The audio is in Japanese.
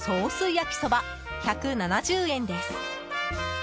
焼きそば１７０円です。